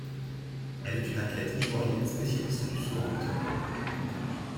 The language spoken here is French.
Elle est une athlète ivoirienne spécialiste du saut en hauteur.